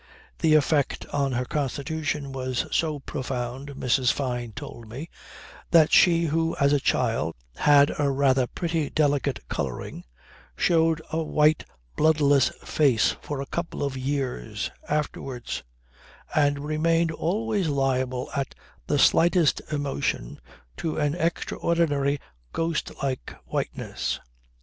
The effect on her constitution was so profound, Mrs. Fyne told me, that she who as a child had a rather pretty delicate colouring, showed a white bloodless face for a couple of years afterwards, and remained always liable at the slightest emotion to an extraordinary ghost like whiteness.